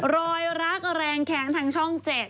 รอยรักแรงแข็งทางช่อง๗